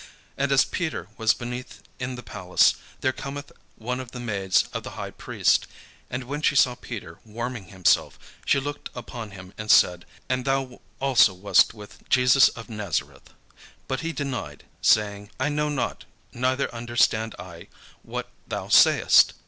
And as Peter was beneath in the palace, there cometh one of the maids of the high priest: and when she saw Peter warming himself, she looked upon him, and said, "And thou also wast with Jesus of Nazareth." But he denied, saying, "I know not, neither understand I what thou sayest."